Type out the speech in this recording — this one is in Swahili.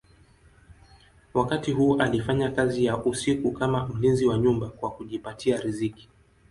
Wakati huu alifanya kazi ya usiku kama mlinzi wa nyumba kwa kujipatia riziki.